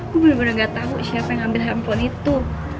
gue bener bener gak tau siapa yang ngambil handphone itu